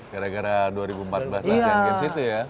gara gara dua ribu empat belas asean games itu ya